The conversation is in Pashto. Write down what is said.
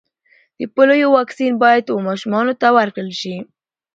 د پولیو واکسین باید و ماشومانو ته ورکړل سي.